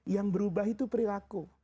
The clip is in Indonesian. yang berubah itu perilaku